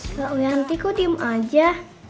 kak wianti kok diem aja